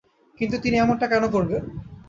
কিন্তু তিনি এমনটা কেন করবেন?